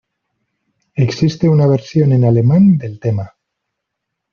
Existe una versión en alemán del tema.